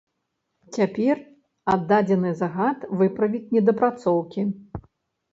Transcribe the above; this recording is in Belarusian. Цяпер аддадзены загад выправіць недапрацоўкі.